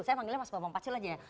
saya panggilnya mas bapak pakcul aja ya